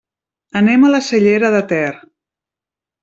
Anem a la Cellera de Ter.